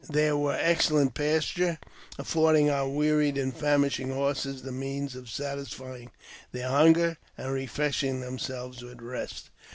There was excellent pasture, affording oi wearied and famishing horses the means of satisfying thei hunger, and refreshing themselves with rest.